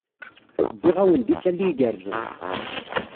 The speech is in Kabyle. Wwiɣ-awen-d isali igerrzen.